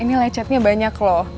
ini lecetnya banyak loh